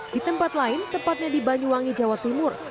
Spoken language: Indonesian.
di tempat lain tepatnya di banyuwangi jawa timur